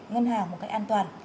ngân hàng một cách an toàn